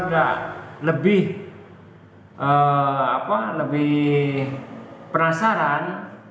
karena pihak keluarga lebih penasaran